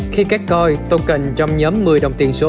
khi các coin token trong nhóm một mươi đồng tiền số